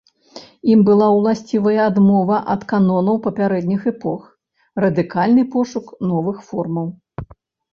Ім была ўласцівая адмова ад канонаў папярэдніх эпох, радыкальны пошук новых формаў.